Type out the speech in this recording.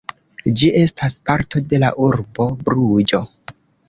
Ĝi estas parto de la urbo Bruĝo.